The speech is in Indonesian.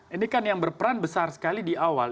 ini kan yang berperan besar sekali di awal